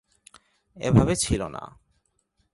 এভাবে ছিল না।